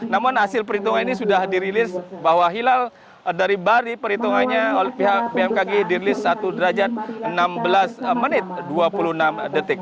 namun hasil perhitungan ini sudah dirilis bahwa hilal dari bari perhitungannya oleh pihak bmkg dirilis satu derajat enam belas menit dua puluh enam detik